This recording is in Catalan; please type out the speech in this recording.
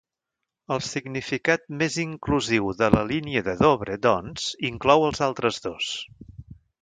El significat més inclusiu de la Línia de Dovre doncs inclou els altres dos.